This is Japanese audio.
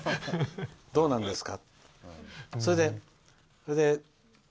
どうなんですか？